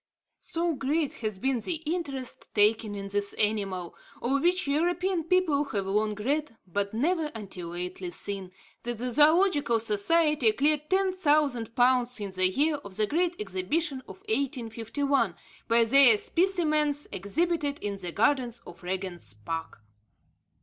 So great has been the interest taken in this animal, of which European people have long read, but never until lately seen, that the Zoological Society cleared 10,000 pounds in the year of the Great Exhibition of 1851, by their specimens exhibited in the gardens at Regent's Park.